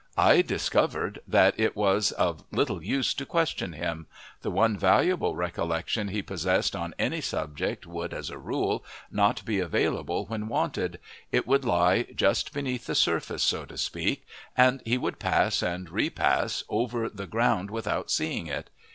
I discovered that it was of little use to question him: the one valuable recollection he possessed on any subject would, as a rule, not be available when wanted; it would lie just beneath the surface so to speak, and he would pass and repass over the ground without seeing it.